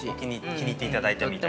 ◆気に入っていただいたみたいで。